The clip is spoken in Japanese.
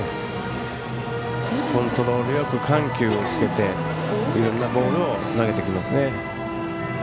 コントロールよく緩急をつけていろんなボールを投げてきますね。